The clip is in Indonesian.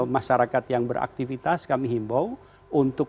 masyarakat yang beraktivitas kami himbau untuk